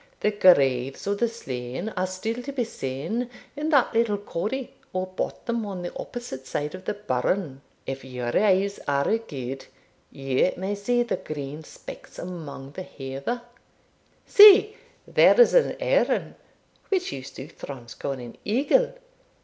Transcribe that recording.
The graves of the slain are still to be seen in that little corrie, or bottom, on the opposite side of the burn; if your eyes are good, you may see the green specks among the heather. See, there is an earn, which you Southrons call an eagle.